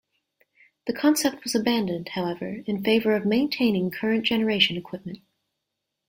The concept was abandoned, however, in favor of maintaining current-generation equipment.